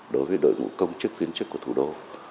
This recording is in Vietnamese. đối với đội ngũ công chức viên chức của thủ đô